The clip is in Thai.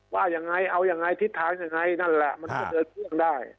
ว่ายังไงเอายังไงทิศทางยังไงนั่นแหละมันก็เดินเครื่องได้